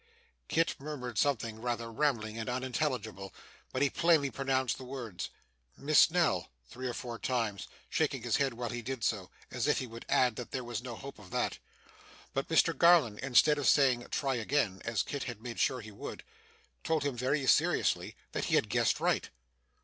Kit murmured something rather rambling and unintelligible, but he plainly pronounced the words 'Miss Nell,' three or four times shaking his head while he did so, as if he would add that there was no hope of that. But Mr Garland, instead of saying 'Try again,' as Kit had made sure he would, told him very seriously, that he had guessed right.